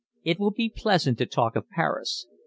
It will be pleasant to talk of Paris.